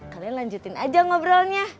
kalian lanjutin aja ngobrolnya